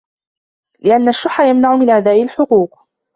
لِأَنَّ الشُّحَّ يَمْنَعُ مِنْ أَدَاءِ الْحُقُوقِ